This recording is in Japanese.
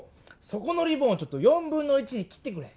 そこのリボンをちょっと1/4に切ってくれ。